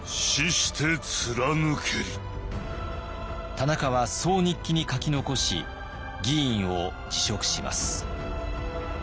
田中はそう日記に書き残し議員を辞職します。